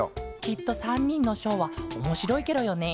きっと３にんのショーはおもしろいケロよね。